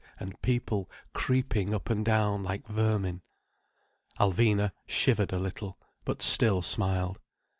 's and people creeping up and down like vermin. Alvina shivered a little, but still smiled.